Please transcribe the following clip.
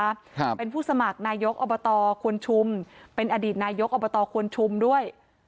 ครับเป็นผู้สมัครนายกอบตควนชุมเป็นอดีตนายกอบตควนชุมด้วย